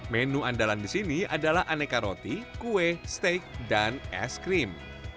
menu andalan di sini adalah aneka roti kue steak dan es krim